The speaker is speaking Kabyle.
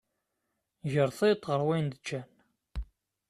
Ger tiṭ ɣer wayen d-ǧǧan